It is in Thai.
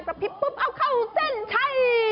พริบปุ๊บเอาเข้าเส้นชัย